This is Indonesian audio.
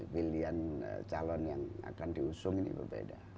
pilihan calon yang akan diusung ini berbeda